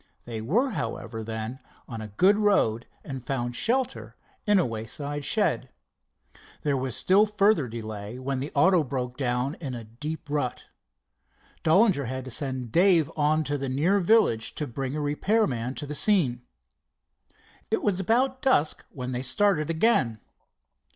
They were, however, then on a good road, and found shelter in a wayside shed. There was still further delay when the auto broke down in a deep rut. Dollinger had to send Dave on to the near village to bring a repair man to the scene. It was about dusk when they started again.